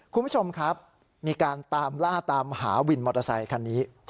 คุณผู้ชมครับมีการตามล่าตามหาวินมอเตอร์ไซคันนี้